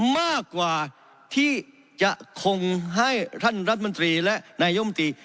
มากกว่าที่จะคงให้ท่านรัฐมนตรีและนายมตรี